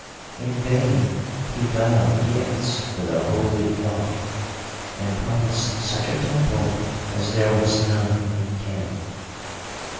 In vain he vowed gifts to the holy Thoth, and promised such a temple as there was none in Khem.